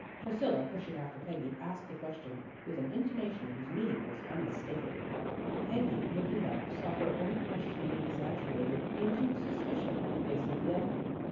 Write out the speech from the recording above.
" Pris cilla, pushing after Peggy, asked the question with an intonation whose meaning was unmis takable. Peggy, looking up, saw her own questioning exaggerated into suspicion on the face of the other.